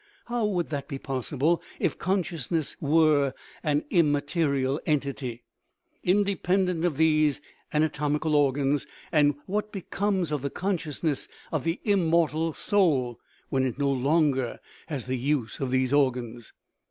How would that be possible if consciousness were an immaterial entity, independent of these ana tomical organs? And what becomes of the conscious ness of the " immortal soul " when it no longer has the use of these organs?